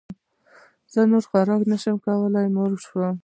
زه نور خوراک نه شم کولی موړ شوم